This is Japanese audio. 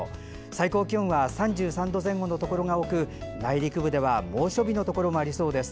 最高気温は３３度前後のところが多く内陸部では猛暑日のところもありそうです。